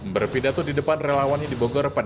berpidato di depan relawannya dibonggor pada